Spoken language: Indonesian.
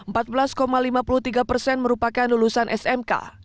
empat belas lima puluh tiga persen merupakan lulusan smk